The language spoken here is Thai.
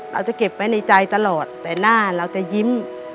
เราจะเก็บไว้ในใจตลอดแต่หน้าเราจะยิ้ม